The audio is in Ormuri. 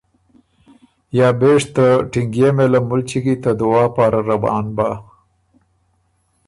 یا بېژ ته ټینګيې مېله مُلچی کی ته دعا پاره روان بۀ